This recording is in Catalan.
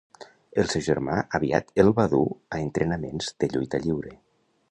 El seu germà aviat el va dur a entrenaments de lluita lliure.